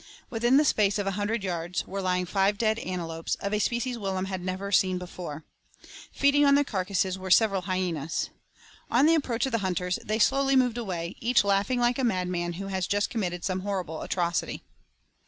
Within the space of a hundred yards were lying five dead antelopes, of a species Willem had never seen before. Feeding on the carcasses were several hyenas. On the approach of the hunters, they slowly moved away, each laughing like a madman who has just committed some horrible atrocity.